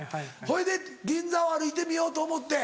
ほいで銀座を歩いてみようと思って。